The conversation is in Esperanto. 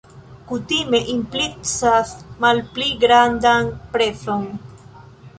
Kutime implicas malpli grandan prezon.